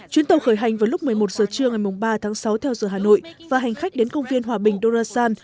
chuyến tàu khởi hành vào lúc một mươi một giờ trưa ngày ba tháng sáu theo giờ hà nội và hành khách đến công viên hòa bình dorasan